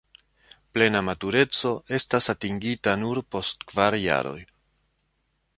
Plena matureco estas atingita nur post kvar jaroj.